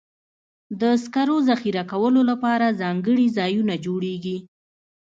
د سکرو ذخیره کولو لپاره ځانګړي ځایونه جوړېږي.